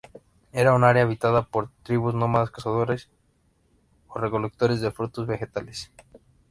Era un área habitada por tribus nómadas, cazadores o recolectores de frutos vegetales.